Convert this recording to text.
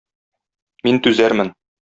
Мин түзәрмен.